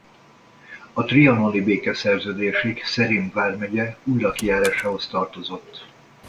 A trianoni békeszerződésig Szerém vármegye Újlaki járásához tartozott.